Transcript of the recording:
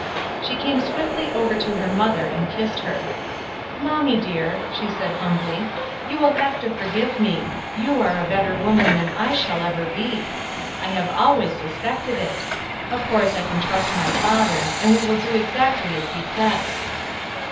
She came swiftly over to her mother and kissed her. "Mommie dear," she said humbly, "you will have to forgive me; you are a better woman than I shall ever be. I have always suspected it. Of course I can trust my father, and we will do exactly as he says."